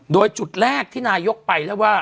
โดยจุดแรกที่นายกไปแล้วว่า